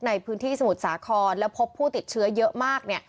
ในพื้นที่สมุทรสาครแล้วพบผู้ติดเชื้อเยอะมาก